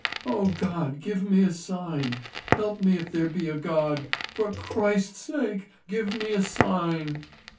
O God, give me a sign! Help me if there be a God! For Christ's sake, give me a sign!"